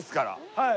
はい。